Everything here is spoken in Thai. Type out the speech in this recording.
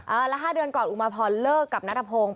ละ๕เดือนก่อนอุมาพรเลิกกับนัทพงศ์